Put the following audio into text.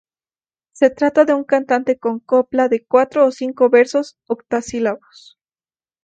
Se trata de un cante con copla de cuatro o cinco versos octosílabos.